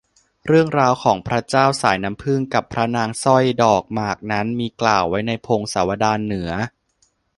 เรื่องราวของพระเจ้าสายน้ำผึ้งกับพระนางสร้อยดอกหมากนั้น มีกล่าวไว้ในพงศาวดารเหนือ